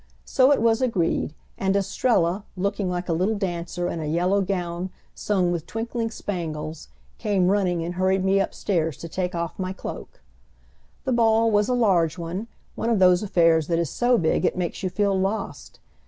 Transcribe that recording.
So it was agreed, and Estrella, looking like a little dancer, in a yellow gown sown [Transcriber's note: sewn?] with twinkling spangles, came running and hurried me up stairs to take off my cloak. The ball was a large one one of those affairs that is so big it makes you feel lost.